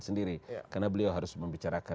sendiri karena beliau harus membicarakan